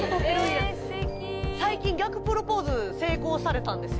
最近逆プロポーズ成功されたんですよ